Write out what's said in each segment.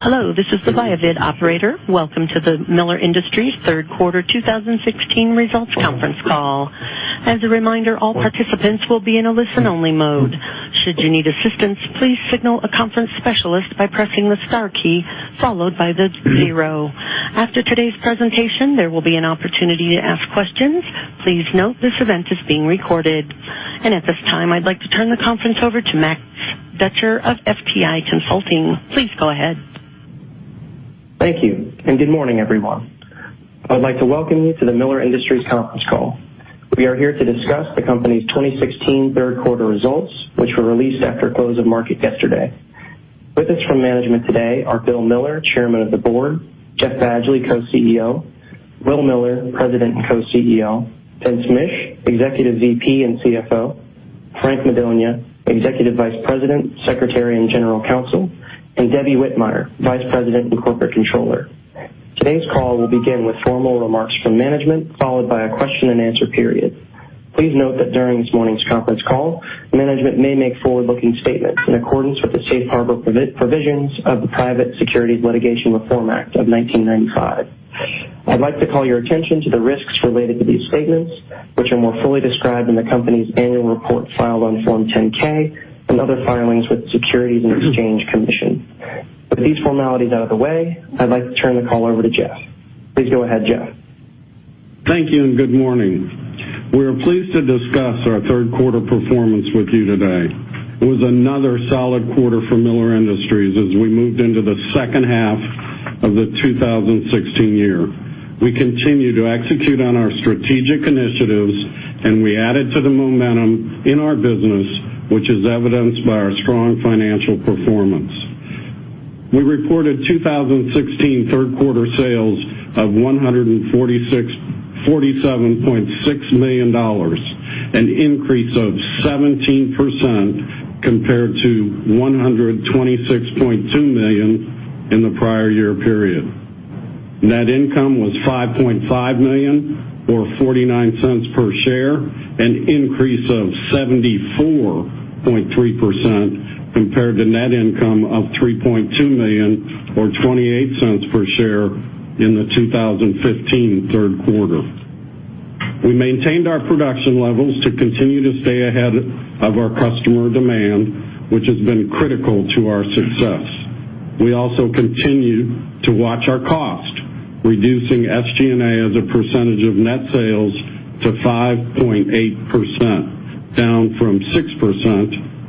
Hello, this is the ViaVid operator. Welcome to the Miller Industries third quarter 2016 results conference call. As a reminder, all participants will be in a listen-only mode. Should you need assistance, please signal a conference specialist by pressing the star key followed by the zero. After today's presentation, there will be an opportunity to ask questions. Please note this event is being recorded. At this time, I'd like to turn the conference over to Max Dutcher of FTI Consulting. Please go ahead. Thank you. Good morning, everyone. I would like to welcome you to the Miller Industries conference call. We are here to discuss the company's 2016 third quarter results, which were released after close of market yesterday. With us from management today are Bill Miller, Chairman of the Board; Jeff Badgley, Co-CEO; Will Miller, President and Co-CEO; Vince Mish, Executive VP and CFO; Frank Madonia, Executive Vice President, Secretary, and General Counsel; and Debbie Whitmire, Vice President and Corporate Controller. Today's call will begin with formal remarks from management, followed by a question-and-answer period. Please note that during this morning's conference call, management may make forward-looking statements in accordance with the safe harbor provisions of the Private Securities Litigation Reform Act of 1995. I'd like to call your attention to the risks related to these statements, which are more fully described in the company's annual report filed on Form 10-K and other filings with the Securities and Exchange Commission. With these formalities out of the way, I'd like to turn the call over to Jeff. Please go ahead, Jeff. Thank you. Good morning. We are pleased to discuss our third quarter performance with you today. It was another solid quarter for Miller Industries as we moved into the second half of the 2016 year. We continue to execute on our strategic initiatives. We added to the momentum in our business, which is evidenced by our strong financial performance. We reported 2016 third quarter sales of $147.6 million, an increase of 17% compared to $126.2 million in the prior year period. Net income was $5.5 million, or $0.49 per share, an increase of 74.3% compared to net income of $3.2 million or $0.28 per share in the 2015 third quarter. We maintained our production levels to continue to stay ahead of our customer demand, which has been critical to our success. We also continue to watch our cost, reducing SG&A as a percentage of net sales to 5.8%, down from 6%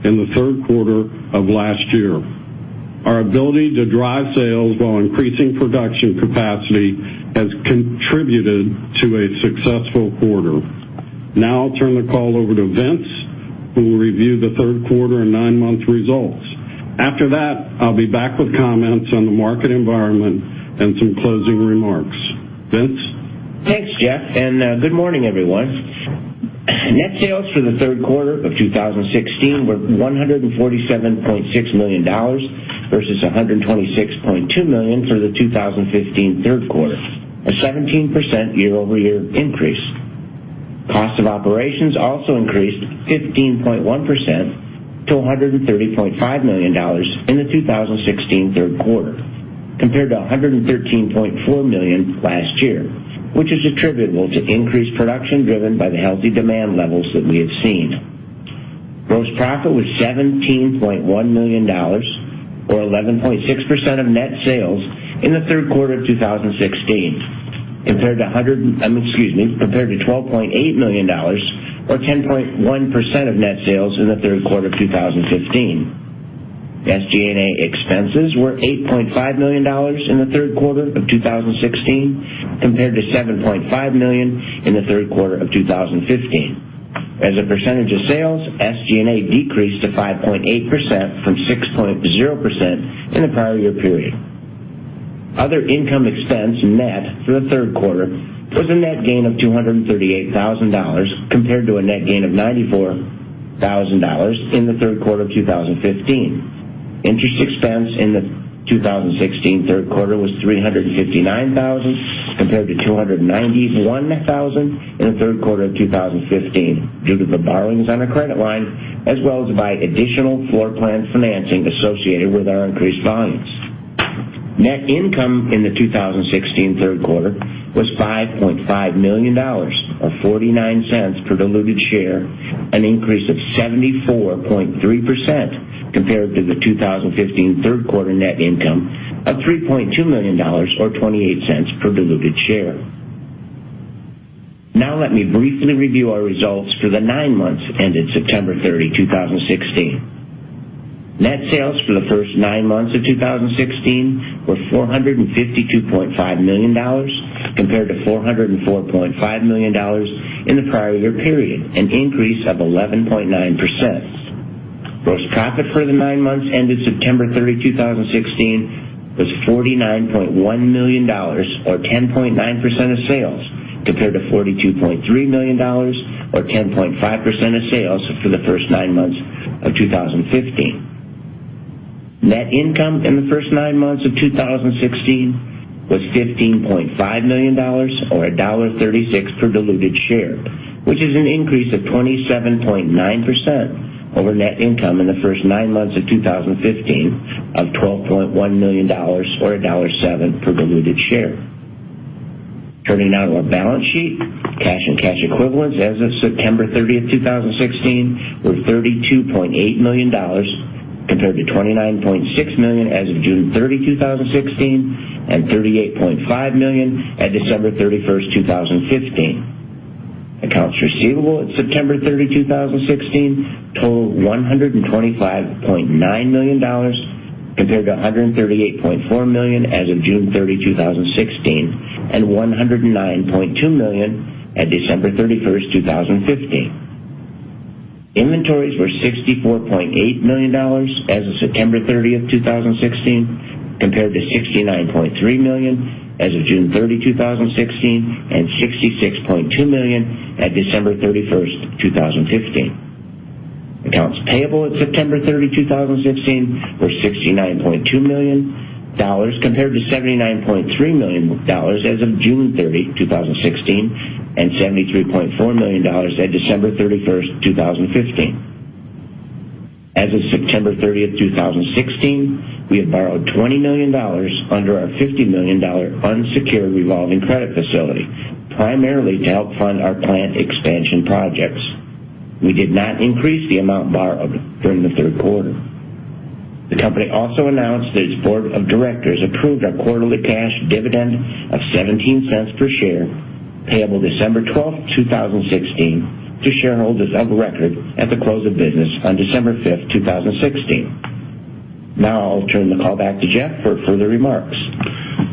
in the third quarter of last year. Our ability to drive sales while increasing production capacity has contributed to a successful quarter. Now I'll turn the call over to Vince, who will review the third quarter and nine-month results. After that, I'll be back with comments on the market environment and some closing remarks. Vince? Thanks, Jeff. Good morning, everyone. Net sales for the third quarter of 2016 were $147.6 million, versus $126.2 million for the 2015 third quarter, a 17% year-over-year increase. Cost of operations also increased 15.1% to $130.5 million in the 2016 third quarter, compared to $113.4 million last year, which is attributable to increased production driven by the healthy demand levels that we have seen. Gross profit was $17.1 million, or 11.6% of net sales in the third quarter of 2016, compared to $12.8 million, or 10.1% of net sales in the third quarter of 2015. SG&A expenses were $8.5 million in the third quarter of 2016, compared to $7.5 million in the third quarter of 2015. As a percentage of sales, SG&A decreased to 5.8% from 6.0% in the prior year period. Other income expense net for the third quarter was a net gain of $238,000, compared to a net gain of $94,000 in the third quarter of 2015. Interest expense in the 2016 third quarter was $359,000, compared to $291,000 in the third quarter of 2015, due to the borrowings on the credit line, as well as by additional floor plan financing associated with our increased volumes. Net income in the 2016 third quarter was $5.5 million, or $0.49 per diluted share, an increase of 74.3% compared to the 2015 third quarter net income of $3.2 million, or $0.28 per diluted share. Now let me briefly review our results for the nine months ended September 30, 2016. Net sales for the first nine months of 2016 were $452.5 million, compared to $404.5 million in the prior year period, an increase of 11.9%. Gross profit for the nine months ended September 30, 2016, was $49.1 million or 10.9% of sales, compared to $42.3 million or 10.5% of sales for the first nine months of 2015. Net income in the first nine months of 2016 was $15.5 million or a $1.36 per diluted share, which is an increase of 27.9% over net income in the first nine months of 2015 of $12.1 million or a $1.07 per diluted share. Turning now to our balance sheet. Cash and cash equivalents as of September 30th, 2016 were $32.8 million, compared to $29.6 million as of June 30, 2016, and $38.5 million at December 31st, 2015. Accounts receivable at September 30, 2016 totaled $125.9 million, compared to $138.4 million as of June 30, 2016, and $109.2 million at December 31st, 2015. Inventories were $64.8 million as of September 30th, 2016, compared to $69.3 million as of June 30, 2016, and $66.2 million at December 31st, 2015. Accounts payable at September 30, 2016 were $69.2 million, compared to $79.3 million as of June 30, 2016, and $73.4 million at December 31st, 2015. As of September 30th, 2016, we have borrowed $20 million under our $50 million unsecured revolving credit facility, primarily to help fund our plant expansion projects. We did not increase the amount borrowed during the third quarter. The company also announced that its board of directors approved our quarterly cash dividend of $0.17 per share, payable December 12th, 2016, to shareholders of record at the close of business on December 5th, 2016. Now I'll turn the call back to Jeff for further remarks.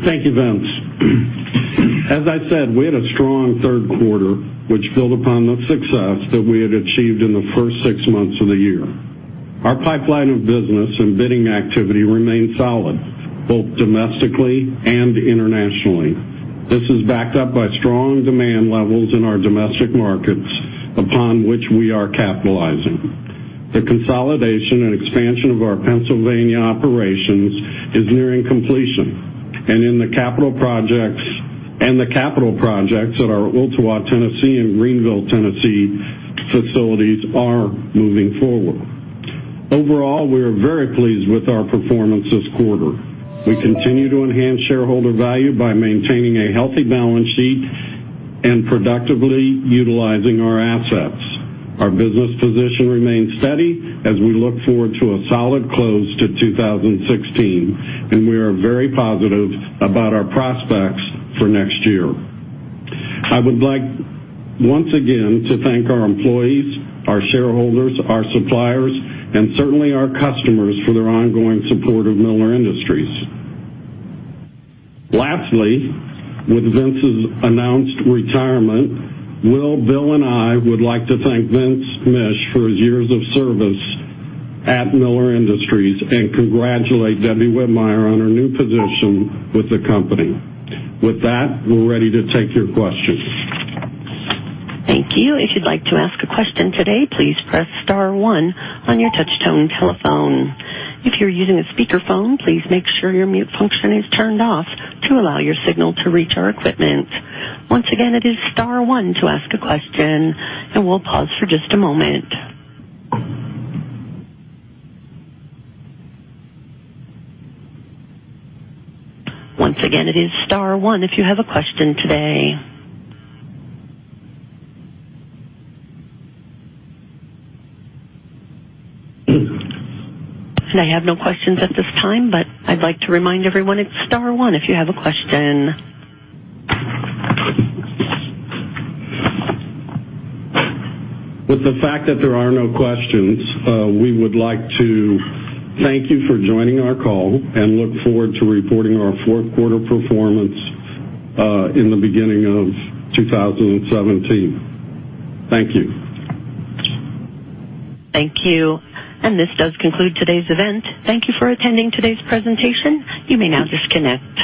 Thank you, Vince. As I said, we had a strong third quarter, which built upon the success that we had achieved in the first six months of the year. Our pipeline of business and bidding activity remain solid, both domestically and internationally. This is backed up by strong demand levels in our domestic markets, upon which we are capitalizing. The consolidation and expansion of our Pennsylvania operations is nearing completion, and the capital projects at our Ooltewah, Tennessee, and Greeneville, Tennessee facilities are moving forward. Overall, we are very pleased with our performance this quarter. We continue to enhance shareholder value by maintaining a healthy balance sheet and productively utilizing our assets. Our business position remains steady as we look forward to a solid close to 2016. We are very positive about our prospects for next year. I would like, once again, to thank our employees, our shareholders, our suppliers, and certainly our customers for their ongoing support of Miller Industries. Lastly, with Vince's announced retirement, Bill and I would like to thank Vince Mish for his years of service at Miller Industries and congratulate Debbie Whitmire on her new position with the company. With that, we're ready to take your questions. Thank you. If you'd like to ask a question today, please press *1 on your touch tone telephone. If you're using a speakerphone, please make sure your mute function is turned off to allow your signal to reach our equipment. Once again, it is *1 to ask a question. We'll pause for just a moment. Once again, it is *1 if you have a question today. I have no questions at this time, I'd like to remind everyone it's *1 if you have a question. With the fact that there are no questions, we would like to thank you for joining our call and look forward to reporting our fourth quarter performance in the beginning of 2017. Thank you. Thank you. This does conclude today's event. Thank you for attending today's presentation. You may now disconnect.